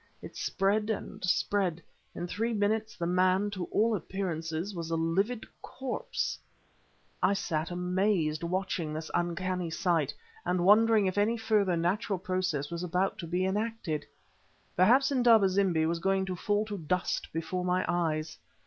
It spread and spread; in three minutes the man, to all appearance, was a livid corpse. I sat amazed watching this uncanny sight, and wondering if any further natural process was about to be enacted. Perhaps Indaba zimbi was going to fall to dust before my eyes.